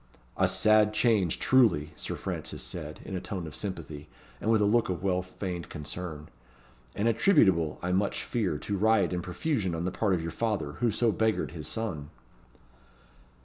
"A sad change, truly," Sir Francis said, in a tone of sympathy, and with a look of well feigned concern; "and attributable, I much fear, to riot and profusion on the part of your father, who so beggared his son."